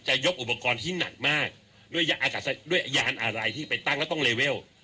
ยกอุปกรณ์ที่หนักมากด้วยยานอะไรที่ไปตั้งแล้วต้องเลเวล